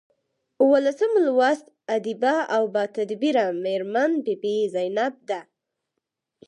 اوولسم لوست ادیبه او باتدبیره میرمن بي بي زینب ده.